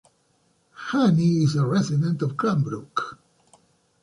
Hanni is a resident of Cranbrook.